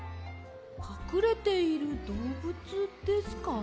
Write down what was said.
かくれているどうぶつですか？